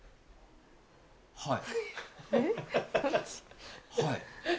はい。